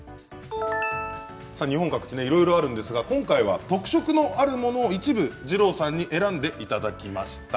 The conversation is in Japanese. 日本各地いろいろあるんですが今回は特色のあるものを一部二郎さんに選んでいただきました。